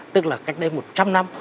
tức là cách đây một trăm linh năm